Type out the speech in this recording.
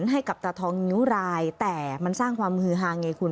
ให้กับตาทองนิ้วรายแต่มันสร้างความฮือฮาไงคุณ